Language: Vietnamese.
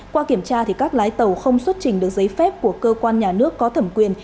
qua kiểm tra các lái tàu không xuất trình được giấy phép của cơ quan nhà nước có thẩm quyền